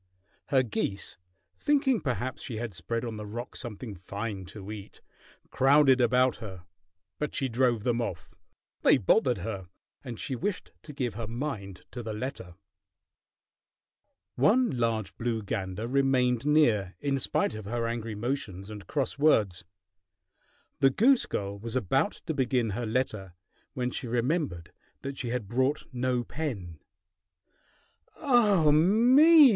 Her geese, thinking perhaps she had spread on the rock something fine to eat, crowded about her, but she drove them off. They bothered her, and she wished to give her mind to the letter. One large blue gander remained near, in spite of her angry motions and cross words. The goose girl was about to begin her letter when she remembered that she had brought no pen. "Ah me!